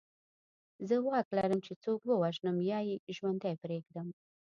زه واک لرم چې څوک ووژنم یا یې ژوندی پرېږدم